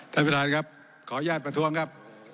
ท่านประธานครับขออนุญาตประท้วงครับ